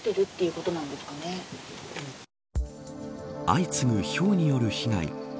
相次ぐひょうによる被害。